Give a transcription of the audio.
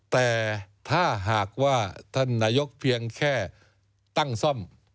แต่ถ้านายกเพียงแค่ตั้งซ่อม